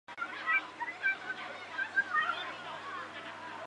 位于马尔代夫最南端甘岛上另一个国际机场叫甘岛国际机场。